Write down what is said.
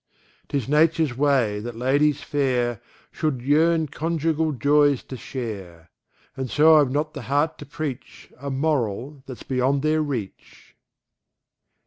'Tis nature's way that ladies fair Should yearn conjugal joys to share; And so I've not the heart to preach A moral that's beyond their reach.